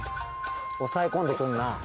おさえこんでくんな。